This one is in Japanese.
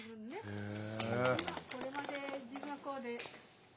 へえ。